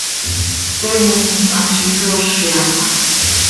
Toii nt hazi soozi aha.